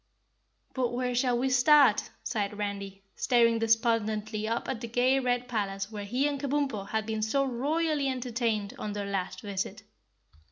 "But where shall we start?" sighed Randy, staring despondently up at the gay red palace where he and Kabumpo had been so royally entertained on their last visit.